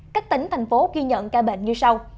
các tỉnh thành phố ghi nhận ca bệnh như sau